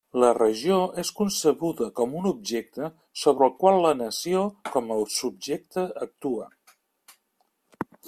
La regió és concebuda com un objecte sobre el qual la nació com a subjecte actua.